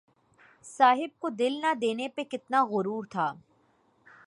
صاحب کو دل نہ دینے پہ کتنا غرور تھا